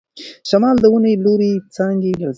شمال د ونې لوړې څانګې لړزوي.